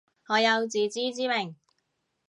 我有自知之明